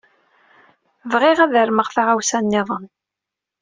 Bɣiɣ ad armeɣ taɣawsa niḍen.